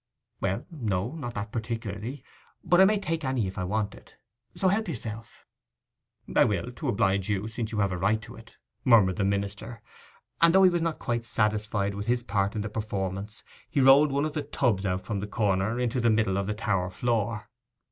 'Well, no; not that particularly; but I may take any if I want it. So help yourself.' 'I will, to oblige you, since you have a right to it,' murmured the minister; and though he was not quite satisfied with his part in the performance, he rolled one of the 'tubs' out from the corner into the middle of the tower floor.